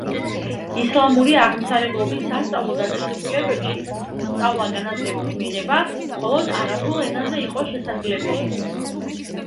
ისლამური აღმსარებლობის სასწავლო დაწესებულებებში კი სწავლა-განათლების მიღება მხოლოდ არაბულ ენაზე იყო შესაძლებელი.